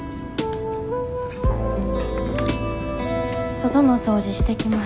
外の掃除してきます。